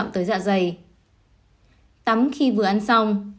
tấm khi vừa ăn xong